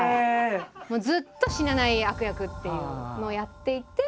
ずっと死なない悪役っていうのをやっていて。